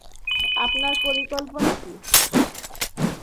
আপনার পরিকল্পনা কি?